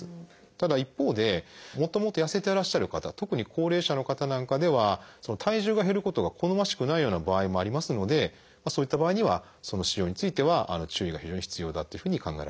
ただ一方でもともと痩せてらっしゃる方特に高齢者の方なんかでは体重が減ることが好ましくないような場合もありますのでそういった場合にはその使用については注意が非常に必要だというふうに考えられています。